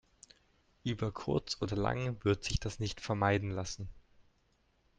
Über kurz oder lang wird sich das nicht vermeiden lassen.